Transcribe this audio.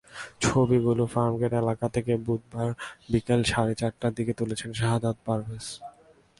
ছবিগুলো ফার্মগেট এলাকা থেকে বুধবার বিকেল সাড়ে চারটার দিকে তুলেছেন সাহাদাত পারভেজ।